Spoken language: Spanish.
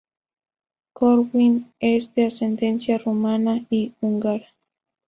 Corwin es de ascendencia rumana y húngara.